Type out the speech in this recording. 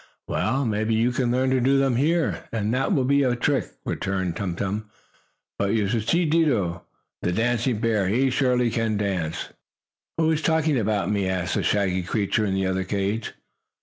"Well, maybe you can learn to do them here, and that will be a trick," returned Tum Tum. "But you should see Dido, the dancing bear. He surely can dance!" "Who is talking about me?" asked the shaggy creature in the other cage.